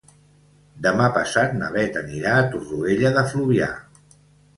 Demà passat na Beth anirà a Torroella de Fluvià.